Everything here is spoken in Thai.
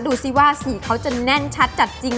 ดูสิว่าสีเขาจะแน่นชัดจัดจริง